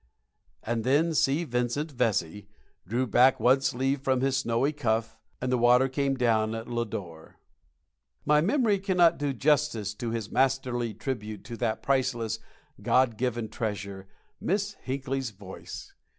And then C. Vincent Vesey drew back one sleeve from his snowy cuff, and the water came down at Lodore. My memory cannot do justice to his masterly tribute to that priceless, God given treasure Miss Hinkle's voice.